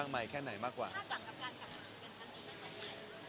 คาดหวังกับการกลับมากกันทั้งนี้มันจะได้ไหม